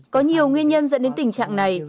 có nhiều nguyên nhân dẫn đến tình trạng này